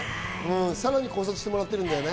さらに考察してもらってるんだね。